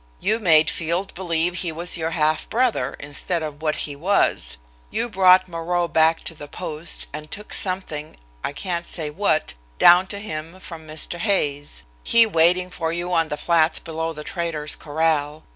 You made Field believe he was your half brother, instead of what he was. You brought Moreau back to the post and took something, I can't say what, down to him from Mr. Hay's, he waiting for you on the flats below the trader's corral.